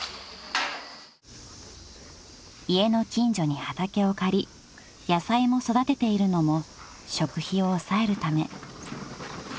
［家の近所に畑を借り野菜も育てているのも食費を抑えるため］